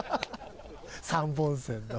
３本線の。